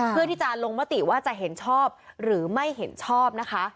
เพื่อที่จะลงมติว่าจะเห็นชอบหรือไม่เห็นชอบนะคะ